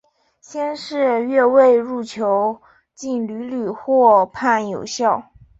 先是越位入球竟屡屡获判有效。